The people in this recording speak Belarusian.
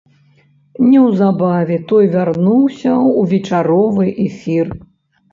Неўзабаве той вярнуўся ў вечаровы эфір.